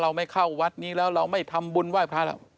ไม่เข้าวัดนี้แล้วเราไม่ทำบุญไหว้พระแล้ว